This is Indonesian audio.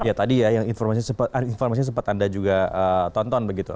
ya tadi ya yang informasinya sempat anda juga tonton begitu